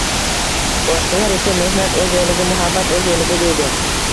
Boshqalar esa mehnat o‘z yo‘liga, muhabbat o'z yo'liga deydi.